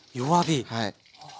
はい。